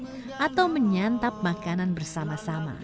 ini juga menyantap makanan bersama sama